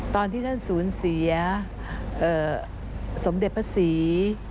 ตอนที่ท่านสูญเสียสมเด็จพระศรี